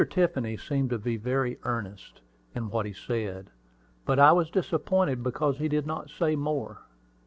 Tiffany seemed to be very earnest in what he said; but I was disappointed because he did not say more.